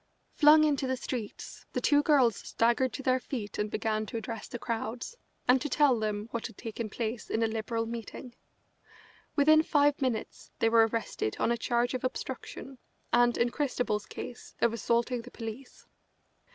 Flung into the streets, the two girls staggered to their feet and began to address the crowds, and to tell them what had taken place in a Liberal meeting. Within five minutes they were arrested on a charge of obstruction and, in Christabel's case, of assaulting the police.